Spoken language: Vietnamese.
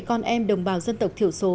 con em đồng bào dân tộc thiểu số